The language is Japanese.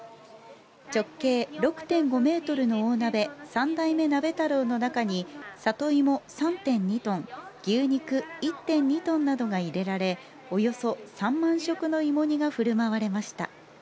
直径６．５ｍの大鍋、三代目鍋太郎の中に里芋３．２ｔ、牛肉１．２ｔなどが入れられ、およそ３万食の芋煮が振る舞われました。